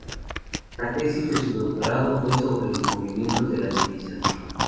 La tesis de su doctorado fue sobre los movimientos de las divisas.